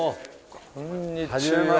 こんにちは。